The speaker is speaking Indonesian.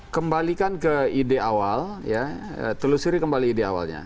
kembalikan ke ide awal ya telusuri kembali ide awalnya